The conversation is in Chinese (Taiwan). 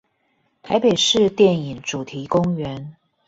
臺北市電影主題公園